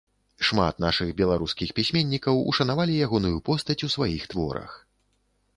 Шмат нашых беларускіх пісьменнікаў ушанавалі ягоную постаць у сваіх творах.